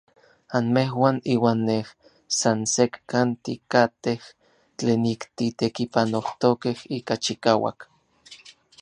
Anmejuan iuan nej san sekkan tikatej tlen ik titekipanojtokej ika chikauak.